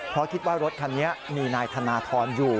เพราะคิดว่ารถคันนี้มีนายธนทรอยู่